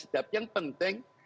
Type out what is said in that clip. tapi yang penting